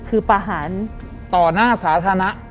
คือประหารต่อหน้าสาธารณะ